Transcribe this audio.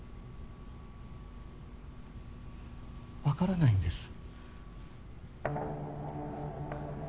わからないんです。